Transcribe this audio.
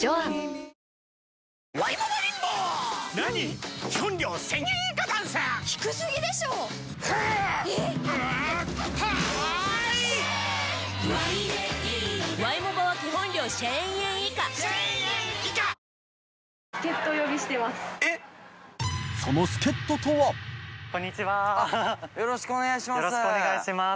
覆个拭よろしくお願いします。